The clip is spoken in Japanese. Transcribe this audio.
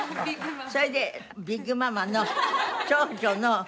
それでビッグママの長女の泉さんです。